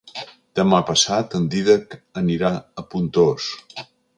Demà passat en Dídac anirà a Pontós.